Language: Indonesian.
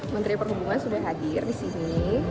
menteri perhubungan sudah hadir di sini